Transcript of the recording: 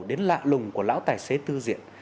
đến lạ lùng của lão tài xế tư diện